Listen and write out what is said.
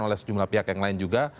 oleh sejumlah pihak yang lain juga